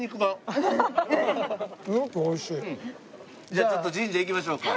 じゃあちょっと神社行きましょうか。